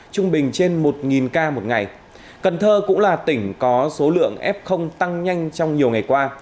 trung bình trên một ca một ngày cần thơ cũng là tỉnh có số lượng f tăng nhanh trong nhiều ngày qua